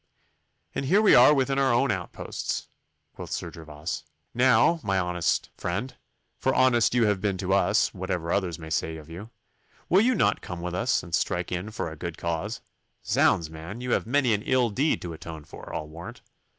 'And here we are within our own outposts,' quoth Sir Gervas. 'Now, mine honest friend for honest you have been to us, whatever others may say of you will you not come with us, and strike in for a good cause? Zounds, man! you have many an ill deed to atone for, I'll warrant.